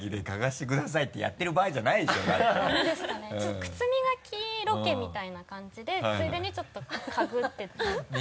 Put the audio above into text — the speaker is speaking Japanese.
ちょっと靴磨きロケみたいな感じでついでにちょっと嗅ぐって。